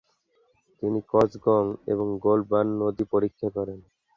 তিনি কজগং এবং গোল্ডবার্ন নদী পরীক্ষা করেন।